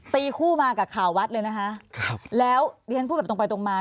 ตีคู่มากับข่าววัดเลยนะคะครับแล้วเรียนพูดแบบตรงไปตรงมา